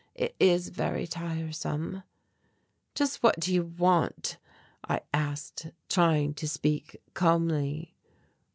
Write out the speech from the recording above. It is very tiresome." "Just what do you want?" I asked, trying to speak calmly.